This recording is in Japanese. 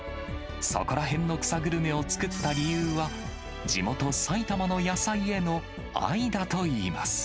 そこらへんの草グルメを作った理由は、地元埼玉の野菜への愛だといいます。